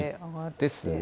ですよね。